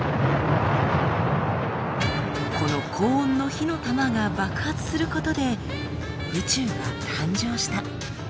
「この高温の火の玉が爆発することで宇宙が誕生した」。